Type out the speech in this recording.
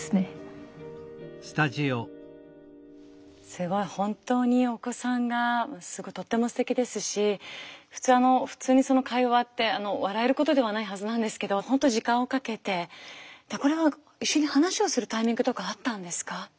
すごい本当にお子さんがとってもすてきですし普通にその会話って笑えることではないはずなんですけど本当時間をかけてこれは一緒に話をするタイミングとかあったんですか？